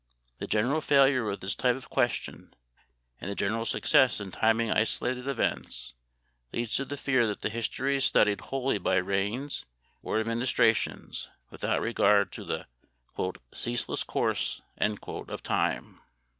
The general failure with this type of question and the general success in timing isolated events leads to the fear that the history is studied wholly by reigns or administrations without regard to the "ceaseless course" of Time.